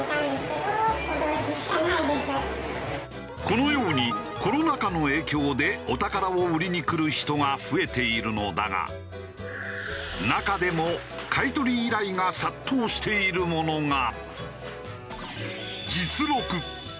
このようにコロナ禍の影響でお宝を売りに来る人が増えているのだが中でも買い取り依頼が殺到しているものが。